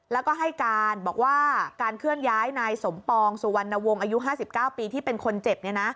แล้วก็ให้การบอกว่าการเคลื่อนย้ายนายสมปองสุวรรณวงศ์อายุ๕๙ปีที่เป็นคนเจ็บ